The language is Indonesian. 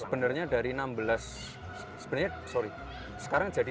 sebenarnya dari enam belas sorry sekarang jadi tujuh belas